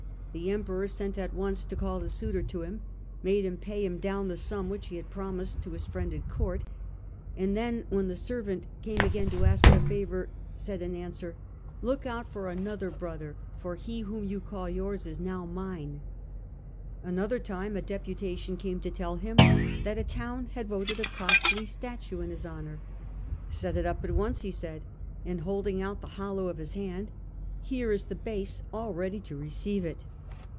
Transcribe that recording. The Emperor sent at once to call the suitor to him, made him pay him down the sum which he had promised to his friend at court, and then when the servant came again to ask the favour said in answer, ' Look out for another brother, for he whom you call yours is now mined Another time a deputation came to tell him that a town had voted a costly statue in his honour. * Set it up at once,' he said, and, holding out the hollow of his hand, ' here is the base all ready to receive it.